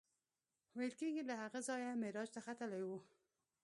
ویل کېږي له هغه ځایه معراج ته ختلی و.